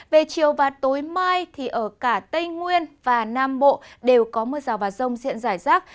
về chiều và tối mai thì ở cả tây nguyên và nam bộ đều có mưa rào và rông diện rải rác